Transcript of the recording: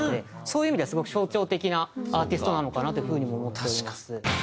そういう意味ではすごく象徴的なアーティストなのかなっていう風にも思っております。